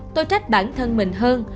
tôi trách bản thân mình hơn